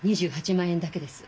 ２８万円だけです。